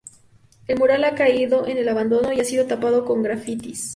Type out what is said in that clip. El mural ha caído en el abandono y ha sido tapado con grafitis.